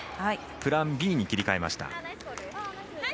プランＢに切り替えました。